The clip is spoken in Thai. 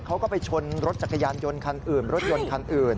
เขาก็ไปชนรถจักรยานยนต์คันอื่นรถยนต์คันอื่น